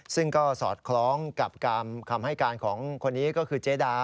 ซึ่งก็สอดคล้องกับคำให้การของคนนี้ก็คือเจดา